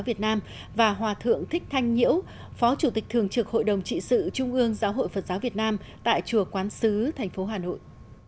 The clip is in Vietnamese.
việt nam và hòa thượng thích thanh nhiễu phó chủ tịch thường trực hội đồng trị sự trung ương giáo hội phật giáo việt nam tại chùa quán sứ thành phố hà nội